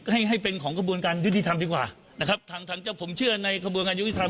ให้ให้เป็นของกระบวนการยุติธรรมดีกว่านะครับทางทางเจ้าผมเชื่อในกระบวนการยุติธรรม